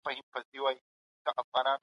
د سمو پرېکړو لپاره سياسي پوهه اړينه ده.